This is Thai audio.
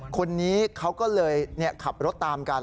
คนนี้เขาก็เลยขับรถตามกัน